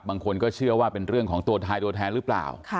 บางคนก็เชื่อว่าเป็นเรื่องของตัวทายตัวแทนหรือเปล่า